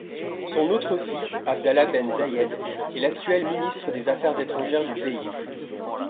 Son autre fils Abdallah Ben Zayed est l'actuel ministre des affaires étrangères du pays.